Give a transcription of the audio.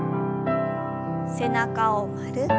背中を丸く。